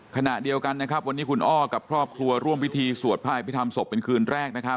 ขณะเดียวกันวันนี้คุณอ้อกับพรอบครัวร่วมวิธีสวดภาคพิธรรมศพเป็นคืนแรก